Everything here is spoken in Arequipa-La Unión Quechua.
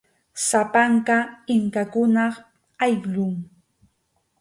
Sapanka inkakunap ayllun.